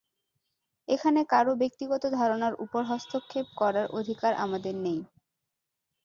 এখানে কারও ব্যক্তিগত ধারণার উপর হস্তক্ষেপ করার অধিকার আমাদের নেই।